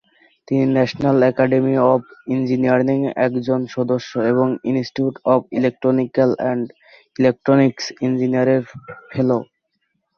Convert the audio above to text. তিনি National Academy of Engineering এর একজন সদস্য এবং Institute of Electrical and Electronics Engineers এর ফেলো।